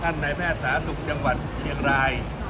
ท่านนายแพทย์สาธารณ์ศึกจังหวัดเคียงราย